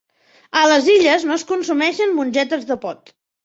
A les Illes no es consumeixen mongetes de pot